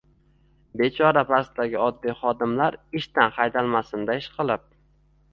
Bechora pastdagi oddiy xodimlar ishdan haydalmasinda ishqilib?!